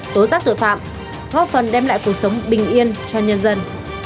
tố giác tội phạm góp phần đem lại cuộc sống bình yên cho nhân dân